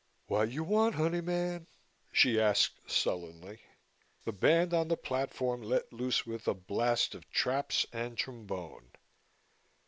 "Wha' yo' want, honey man?" she asked sullenly. The band on the platform let loose with a blast of traps and trombone.